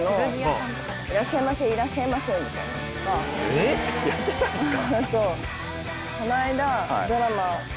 えっやってたんですか？